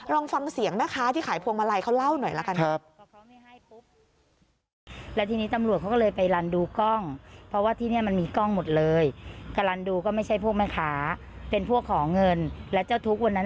ลองฟังเสียงแม่ค้าที่ขายพวงมาลัยเขาเล่าหน่อยละกันครับ